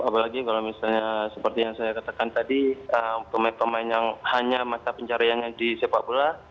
apalagi kalau misalnya seperti yang saya katakan tadi pemain pemain yang hanya mata pencariannya di sepak bola